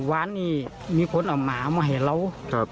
พอวัวไปกินหญ้าอะไรเสร็จเรียบร้อยเสร็จเรียบร้อย